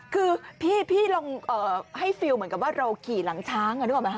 คือพี่ลองให้ฟีลเหมือนเรากี่หลังช้าง